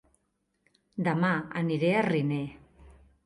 Dema aniré a Riner